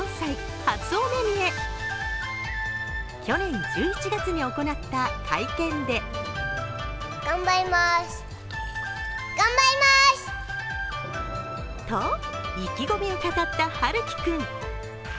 去年１１月に行った会見でと意気込みを語った陽喜君。